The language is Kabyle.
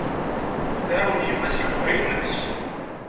Tɛawen yemma-s s lebɣi-nnes.